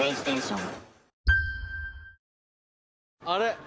あれ？